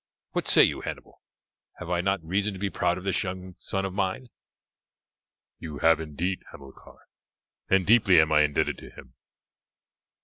What say you, Hannibal, have I not reason to be proud of this young son of mine?" "You have indeed, Hamilcar, and deeply am I indebted to him.